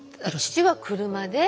父は車で。